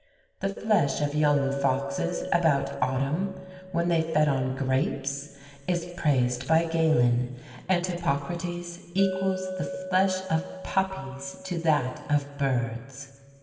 The flesh of young foxes about autumn, when they fed on grapes, is praised by Galen; and Hippocrates equals the flesh of puppies to that of birds.